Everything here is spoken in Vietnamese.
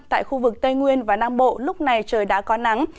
tại khu vực tây nguyên và nam bộ lúc này trời đã có nắng